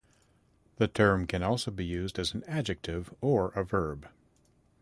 The term can also be used as an adjective or a verb.